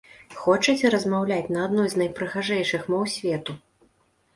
Хочаце размаўляць на адной з найпрыгажэйшых моў свету?